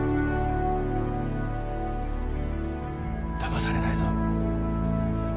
だまされないぞ。